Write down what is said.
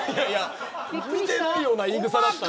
見てないような言い草だったんで。